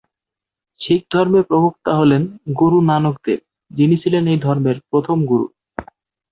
শিখ ধর্মের প্রবক্তা হলেন গুরু নানক দেব, যিনি ছিলেন এই ধর্মের প্রথম গুরু।